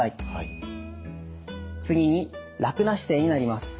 次に楽な姿勢になります。